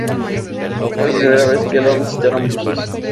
Fue la primera vez que lo visitaron buzos.